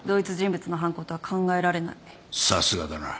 さすがだな。